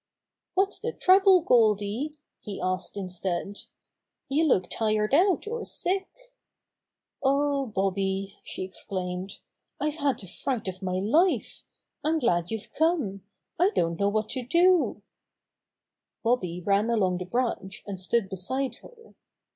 "What's the trouble, Goldy?" he asked in stead. "You look tired out or sick." "Oh, Bobby," she exclaimed, "I've had the Goldy Decides to Build in the Tree 51 fright of my life! I'm glad you've come. I don't know what to do." Bobby ran along the branch and stood be side her.